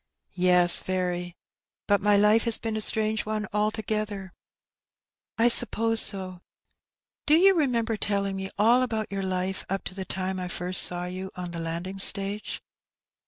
" Yes, very ; but my life has been a strange one altogether." "I suppose so. Do you remember telling me all about your life up to the time I first saw you on the landing stage